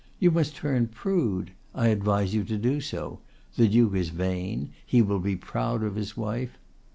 You must turn prude; I advise you to do so. The Duke is vain; he will be proud of his wife.